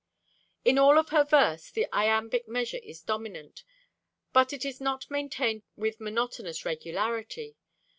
In all of her verse, the iambic measure is dominant, but it is not maintained with monotonous regularity.